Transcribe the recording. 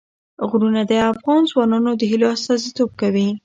غرونه د افغان ځوانانو د هیلو استازیتوب کوي.